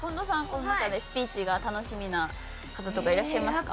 この中でスピーチが楽しみな方とかいらっしゃいますか？